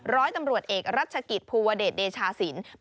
ร้อยตำรวจเอกรัชกิจภูวเดชเดชาศิลป์